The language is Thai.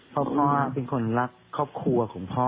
เพราะพ่อเป็นคนรักครอบครัวของพ่อ